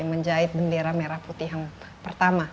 menjahit bendera merah putih yang pertama